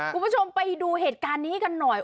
คุณผู้ชมไปดูเหตุการณ์นี้กันหน่อย